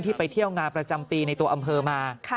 ไปเที่ยวงานประจำปีในตัวอำเภอมา